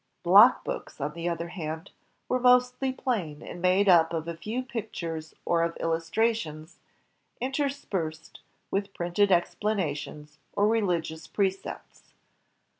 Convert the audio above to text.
Block books, on the other hand, were mostly plain, and made up of a few pictures or of illustrations, inter spersed with printed explanations or religious precepts.